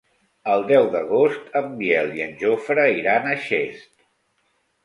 El deu d'agost en Biel i en Jofre iran a Xest.